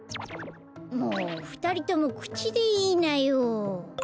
もうふたりともくちでいいなよ。